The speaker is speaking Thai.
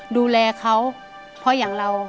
ดูแลเขาเพราะอย่างเรา